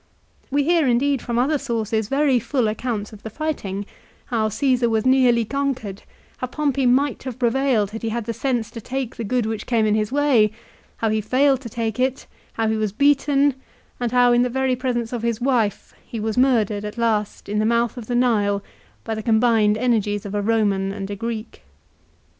We hear indeed from other sources very full accounts of the fighting, how Caesar was nearly conquered, how Pompey might have prevailed had he had the sense to take the good which came in his way, how he failed to take it, how he was beaten, and how in the very presence of his wife, he was murdered at last at the mouth of the Nile by the combined energies of a Eoman and a Greek.